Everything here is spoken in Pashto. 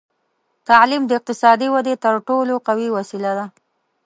تعلیم د اقتصادي ودې تر ټولو قوي وسیله ده.